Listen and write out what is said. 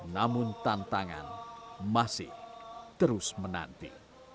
namun tantangan masih terus menanti